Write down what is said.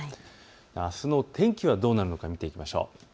あすの天気はどうなるのか見ていきましょう。